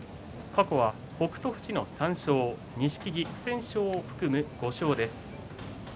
過去は北勝富士の３勝錦木の不戦勝を含む５勝です。